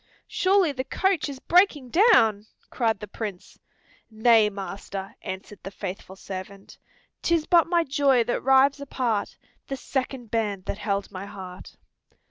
"Surely the coach is breaking down," cried the Prince. "Nay, master," answered the faithful servant, "'Tis but my joy that rives apart The second band that held my heart."